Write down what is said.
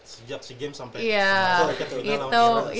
sejak si games sampai